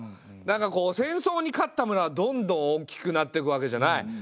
なんかこう戦争に勝ったムラはどんどん大きくなってくわけじゃない。